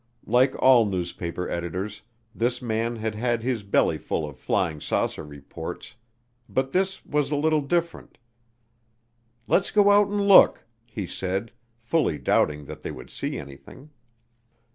Like all newspaper editors, this man had had his bellyful of flying saucer reports but this was a little different. "Let's go out and look," he said, fully doubting that they would see anything.